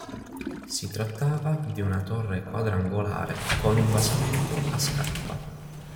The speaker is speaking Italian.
Si trattava di una torre quadrangolare con un basamento a scarpa.